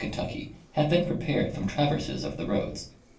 tucky have been prepared from traverses of the roads.